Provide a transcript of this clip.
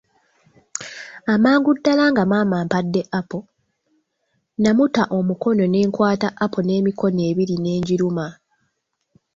Amangu ddala nga maama ampadde apo, namuta omukono ne nkwata apo n'emikono ebiri ne ngiruma.